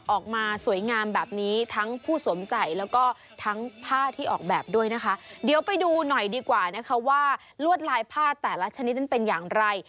ออกมาสวยงามแบบนี้ทั้งผู้สวมใส่แล้วก็ทั้งผ้าที่ออกแบบด้วยนะคะเดี๋ยวไปดูหน่อยดีกว่านะคะว่าลวดลายผ้าแต่ละชนิดนั้นเป็นอย่างไร